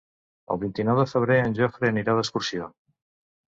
El vint-i-nou de febrer en Jofre anirà d'excursió.